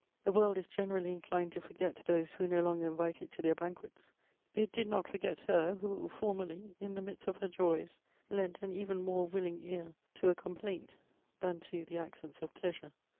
The world is generally inclined to forget those who no longer invite it to their banquets; it did not forget her who, formerly, in the midst of her joys, lent an even more willing ear to a complaint than to the accents of pleasure.